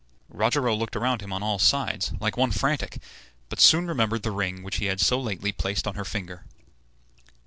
Rogero looked around him on all sides, like one frantic, but soon remembered the ring which he had so lately placed on her finger.